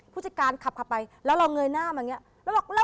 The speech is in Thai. ผู้จัดการขับไปเร่าเอาเอาเงยหน้ามุ่งมา